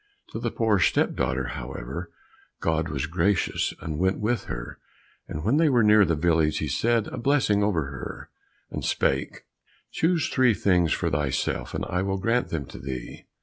To the poor step daughter, however, God was gracious, and went with her, and when they were near the village, he said a blessing over her, and spake, "Choose three things for thyself, and I will grant them to thee."